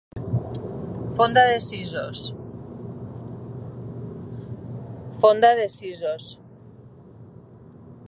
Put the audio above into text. Fonda de sisos.